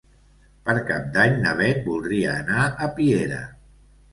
Per Cap d'Any na Beth voldria anar a Piera.